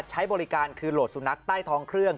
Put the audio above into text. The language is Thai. ใช้บริการคือโหลดสุนัขใต้ท้องเครื่อง